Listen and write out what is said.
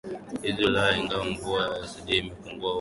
hizo Ulaya Ingawa mvua ya asidi imepungua huko Ulaya na Amerika ya